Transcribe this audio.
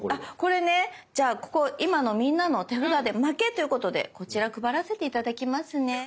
これねじゃあここ今のみんなの手札で負けっていうことでこちら配らせて頂きますね。